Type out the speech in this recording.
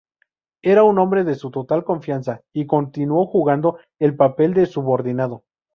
Era un hombre de su total confianza, y continuó jugando el papel de subordinado.